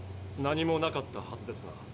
何もなかったはずですが。